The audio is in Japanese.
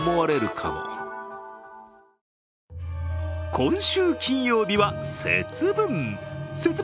今週金曜日は節分。